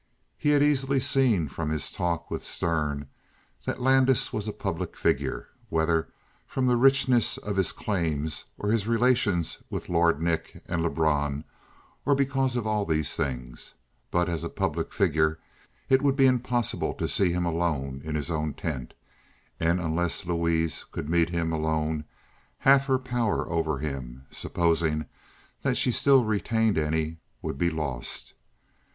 He had easily seen from his talk with Stern that Landis was a public figure, whether from the richness of his claims or his relations with Lord Nick and Lebrun, or because of all these things; but as a public figure it would be impossible to see him alone in his own tent, and unless Louise could meet him alone half her power over him supposing that she still retained any would be lost.